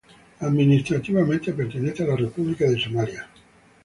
Administrativamente, pertenece a la República de Somalia.